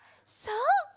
そう！